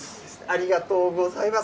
ありがとうございます。